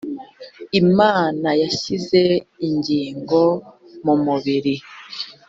imana yashyize ingingo mu mubiri